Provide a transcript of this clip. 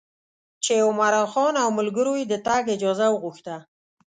چې عمرا خان او ملګرو یې د تګ اجازه وغوښته.